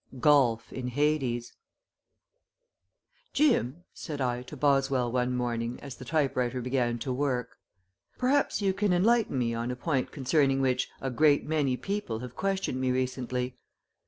GOLF IN HADES "Jim," said I to Boswell one morning as the type writer began to work, "perhaps you can enlighten me on a point concerning which a great many people have questioned me recently.